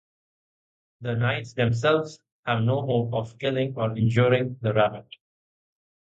The knights themselves have no hope of killing or injuring the rabbit.